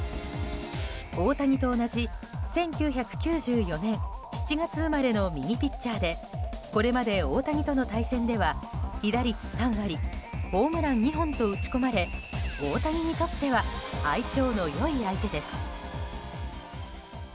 大谷と同じ１９９４年７月生まれの右ピッチャーでこれまで、大谷との対戦では被打率３割、ホームラン２本と打ち込まれ、大谷にとっては相性の良い相手です。